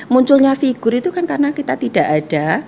munculnya figur itu kan karena kita tidak ada